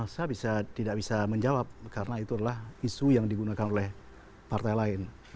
saya tidak bisa menjawab karena itu adalah isu yang digunakan oleh partai lain